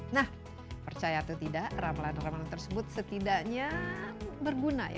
nah percaya atau tidak ramalan ramalan tersebut setidaknya berguna ya